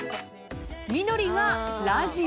緑がラジオ。